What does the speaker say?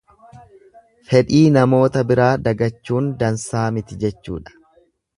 Fedhii namoota biraa dagachuun dansaa miti jechuudha.